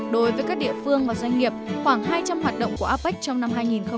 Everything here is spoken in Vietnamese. đối với các địa phương và doanh nghiệp khoảng hai trăm linh hoạt động của apec trong năm hai nghìn một mươi chín